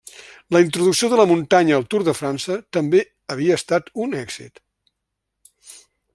La introducció de la muntanya al Tour de França també havia estat un èxit.